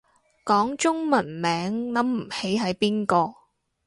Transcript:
講中文名諗唔起係邊個